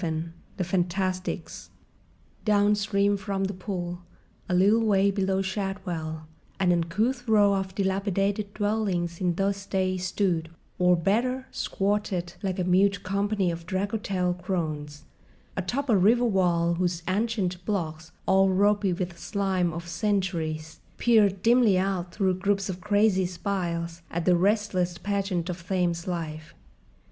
VII THE FANTASTICS Downstream from The Pool, a little way below Shadwell, an uncouth row of dilapidated dwellings in those days stood—or, better, squatted, like a mute company of draggletail crones—atop a river wall whose ancient blocks, all ropy with the slime of centuries, peered dimly out through groups of crazy spiles at the restless pageant of Thames life.